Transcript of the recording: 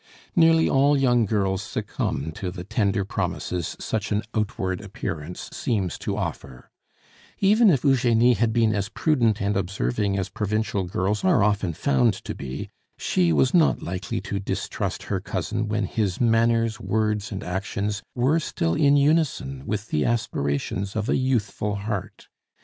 Nearly all young girls succumb to the tender promises such an outward appearance seems to offer: even if Eugenie had been as prudent and observing as provincial girls are often found to be, she was not likely to distrust her cousin when his manners, words, and actions were still in unison with the aspirations of a youthful heart.